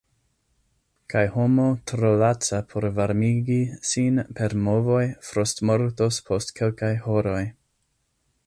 Kaj homo tro laca por varmigi sin per movoj frostmortos post kelkaj horoj.